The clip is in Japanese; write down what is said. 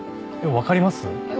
わかります